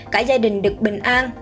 cả gia đình được bình an